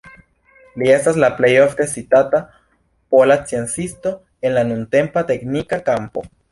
Li estas la plej ofte citata pola sciencisto en la nuntempa teknika kampo.